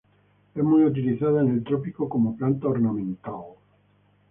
Es muy utilizada en el trópico como planta ornamental.